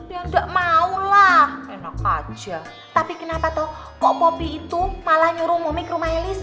ya gak maulah enak aja tapi kenapa toh kok poppy itu malah nyuruh momi ke rumah elis